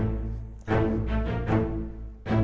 mama udah pulang